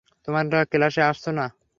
তোমরা ক্লাসে আসছো না?